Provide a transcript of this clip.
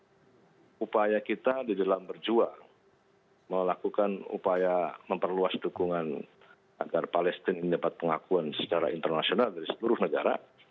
karena upaya kita di dalam berjuang melakukan upaya memperluas dukungan agar palestine mendapat pengakuan secara internasional dari seluruh negara